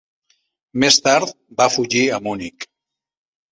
Més tard, va fugir a Munic.